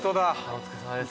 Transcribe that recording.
お疲れさまです。